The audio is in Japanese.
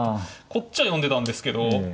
こっちは読んでたんですけど。